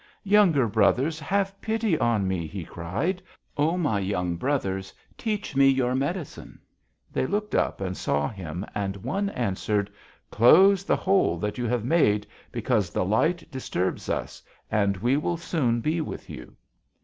"'Younger brothers, have pity on me!' he cried. 'Oh, my young brothers, teach me your medicine!' "They looked up and saw him, and one answered: 'Close the hole that you have made, because the light disturbs us, and we will soon be with you.'